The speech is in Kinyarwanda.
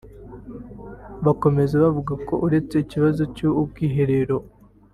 Bakomeza bavuga ko uretse ikibazo cy’ubwiherero